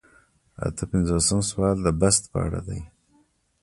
اته پنځوسم سوال د بست په اړه دی.